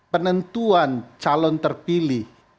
penentuan calon terpilih